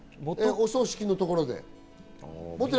お葬式のところで。